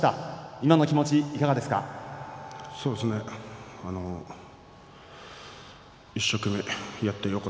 今の気持ちは、いかがですか。